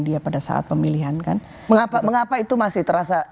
dia pada saat pemilihan kan mengapa itu masih terasa